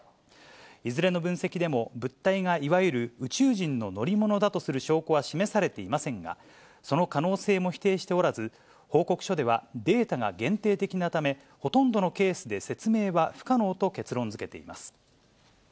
いずれの分析でも、物体がいわゆる宇宙人の乗り物だとする証拠は示されていませんが、その可能性も否定しておらず、報告書ではデータが限定的なため、ほとんどのケースで説明は不可能と結論づけています。